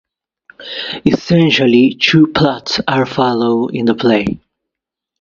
Essentially, two plots are followed in the play.